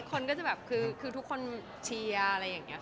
คนก็แบบคือทุกคนเชียร์